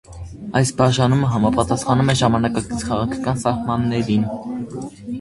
Այս բաժանումը համապատասխանում է ժամանակակից քաղաքական սահմաններին։